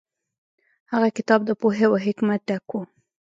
هغه کتاب د پوهې او حکمت ډک و.